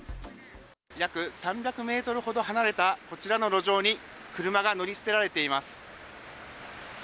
約３００メートルほど離れたこちらの路上に車が乗り捨てられています。